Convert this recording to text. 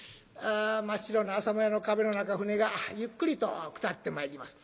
真っ白な朝もやの壁の中船がゆっくりと下ってまいります。